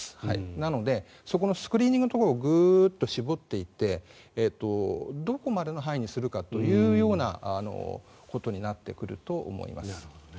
なのでそこのスクリーニングのところをグッと絞っていってどこまでの範囲にするかということになってくると思います。